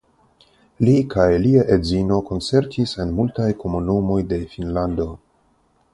Li kaj lia edzino koncertis en multaj komunumoj de Finnlando.